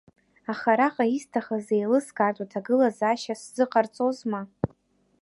Аха араҟа исҭахыз еилыскаартә аҭагылазаашьа сзыҟарҵозма?